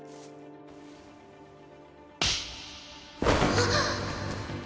あっ！